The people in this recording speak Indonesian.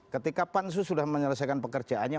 ketika pansus sudah menyelesaikan pekerjaannya